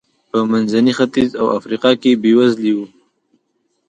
په منځني ختیځ او افریقا کې بېوزلي و.